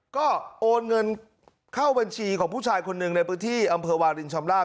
ก็โอนเงินเข้าบัญชีของผู้ชายคนหนึ่งในพื้นที่อำเภอวาลินชำลาบ